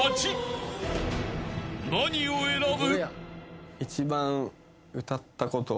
［何を選ぶ？］